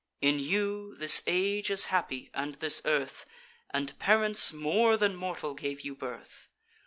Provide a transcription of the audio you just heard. In you this age is happy, and this earth, And parents more than mortal gave you birth.